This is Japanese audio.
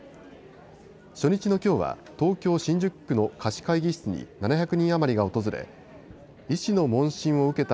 初日のきょうは東京新宿区の貸会議室に７００人余りが訪れ医師の問診を受けた